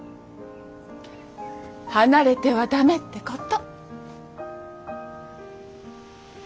離れては駄目ってこと。